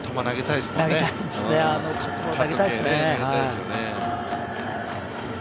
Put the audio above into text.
投げたいですね。